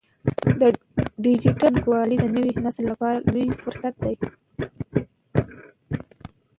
ډیجیټل بانکوالي د نوي نسل لپاره لوی فرصت دی۔